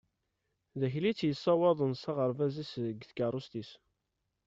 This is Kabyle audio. D Akli i tt-yessawaḍen s aɣerbaz-is deg tkarust-is.